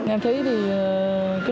em thấy thì